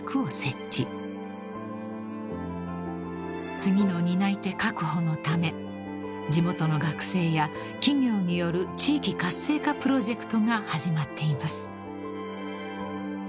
［次の担い手確保のため地元の学生や企業による地域活性化プロジェクトが始まっています］